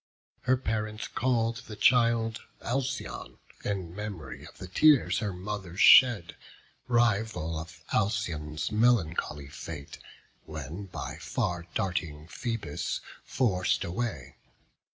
Her parents call'd the child Alcyone, In mem'ry of the tears her mother shed, Rival of Alcyon's melancholy fate, When by far darting Phoebus forc'd away).